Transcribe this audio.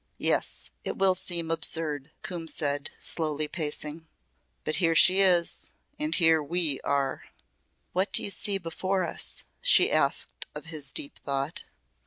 "Yes, it will seem absurd," Coombe said slowly pacing. "But here she is and here we are!" "What do you see before us?" she asked of his deep thought.